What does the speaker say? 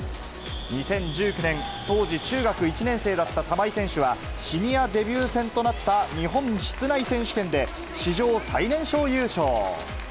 ２０１９年、当時中学１年生だった玉井選手は、シニアデビュー戦となった日本室内選手権で史上最年少優勝。